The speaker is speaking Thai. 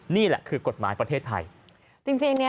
นี่แหละคือกฎหมายประเทศไทย